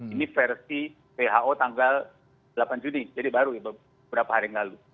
ini versi who tanggal delapan juni jadi baru beberapa hari yang lalu